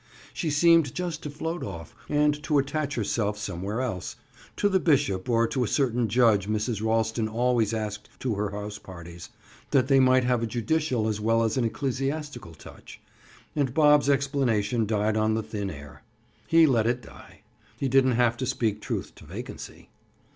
She seemed just to float off and to attach herself somewhere else—to the bishop or to a certain judge Mrs. Ralston always asked to her house parties that they might have a judicial as well as an ecclesiastical touch—and Bob's explanation died on the thin air. He let it die. He didn't have to speak truth to vacancy.